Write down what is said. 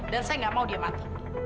dan saya nggak mau dia mati